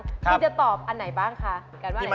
พี่จะตอบอันไหนบ้างค่ะ